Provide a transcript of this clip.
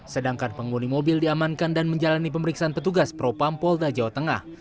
sedangkan penghuni mobil diamankan dan menjalani pemeriksaan petugas pro pampol da jawa tengah